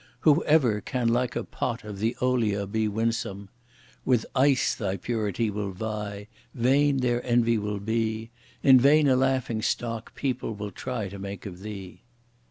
Who ever can like a pot of the olea be winsome! With ice thy purity will vie, vain their envy will be! In vain a laughing stock people will try to make of thee.